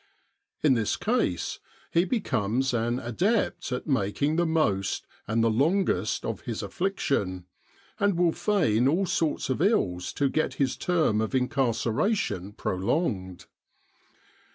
In this case he be comes an adept at making the most and the longest of his affliction, and will feign all sorts of ills to get his term of incarceration prolonged.